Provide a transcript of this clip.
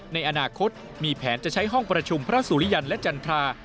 ในอนาคตมีแผนจะใช้ห้องประชุมพระสุริยันและจันทรา